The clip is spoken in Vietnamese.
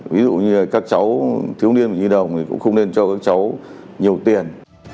ví dụ như các cháu thiếu niên và nhi đồng thì cũng không nên cho các cháu nhiều tiền